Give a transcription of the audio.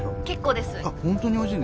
結構です。